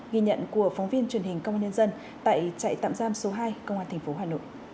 ghi nhận của phóng viên truyền hình công an nhân dân tại trại tạm giam số hai công an tp hà nội